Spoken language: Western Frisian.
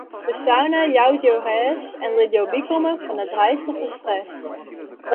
De sauna jout jo rêst en lit jo bykomme fan de deistige stress.